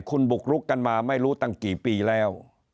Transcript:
คุณบุกรุกกันมาไม่รู้ตั้งกี่ปีแล้ว